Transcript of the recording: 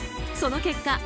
その結果